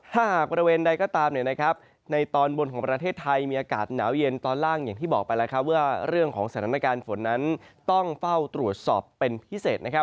หากบริเวณใดก็ตามในตอนบนของประเทศไทยมีอากาศหนาวเย็นตอนล่างอย่างที่บอกไปแล้วครับว่าเรื่องของสถานการณ์ฝนนั้นต้องเฝ้าตรวจสอบเป็นพิเศษนะครับ